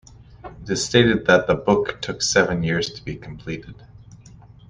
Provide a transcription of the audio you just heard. It is stated that the book took seven years to be completed.